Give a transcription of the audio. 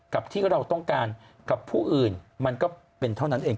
กับที่เราต้องการกับผู้อื่นมันก็เป็นเท่านั้นเอง